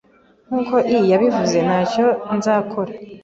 Nkuko l yabivuze, ntacyo nzakora.